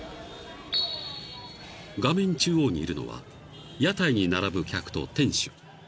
［画面中央にいるのは屋台に並ぶ客と店主］